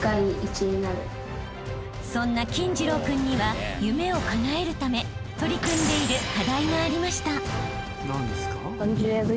［そんな金次郎君には夢をかなえるため取り組んでいる］